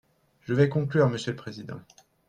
Je vais conclure, monsieur le président.